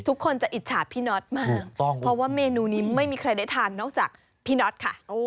ทุกคนจะอิจฉาพี่น็อตมากเพราะว่าเมนูนี้ไม่มีใครได้ทานนอกจากพี่น็อตค่ะ